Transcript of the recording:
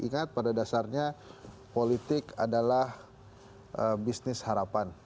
ingat pada dasarnya politik adalah bisnis harapan